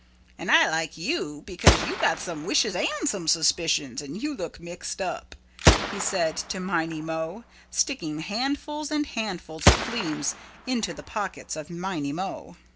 "And I like you because you got some wishes and some suspicions and you look mixed up," he said to Miney Mo, sticking handfuls and handfuls of fleems into the pockets of Miney Mo.